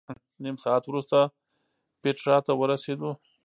نیم ساعت وروسته پېټرا ته ورسېدو.